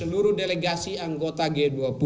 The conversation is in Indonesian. seluruh delegasi anggota g dua puluh